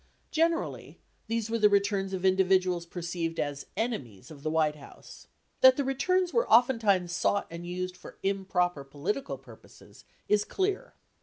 Generally these were the returns of individuals perceived as enemies of the White House. That the returns were oftentimes sought and used for improper political purposes is clear.